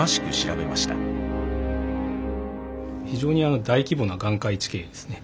非常に大規模な岩塊地形ですね。